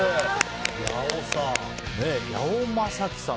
八尾さん。